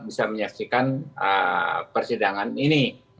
bisa menyaksikan persidangan ini